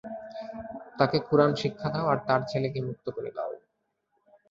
তাকে কুরআন শিক্ষা দাও আর তার ছেলেকে মুক্ত করে দাও।